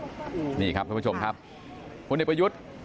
บอกกับชาวจังหวัดระยองว่าจะพยายามทำทุกอย่างให้ดีที่สุด